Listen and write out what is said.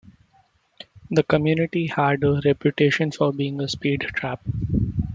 The community had a reputation for being a speed trap.